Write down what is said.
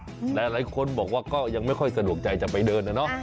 หลายคนบอกว่าก็ยังไม่ค่อยสะดวกใจจะไปเดินนะเนาะ